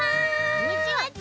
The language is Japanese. こんにちはち。